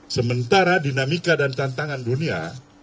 sementara dinamika dan tantangan dunia